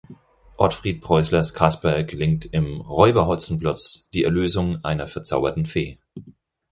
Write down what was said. Otfried Preußlers Kasperl gelingt im "Räuber Hotzenplotz" die Erlösung einer verzauberten Fee.